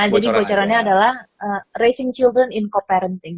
jadi bocorannya adalah raising children in co parenting